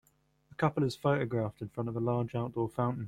A couple is photographed in front of a large outdoor fountain.